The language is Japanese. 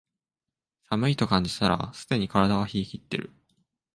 寒いと感じたらすでに体は冷えきってる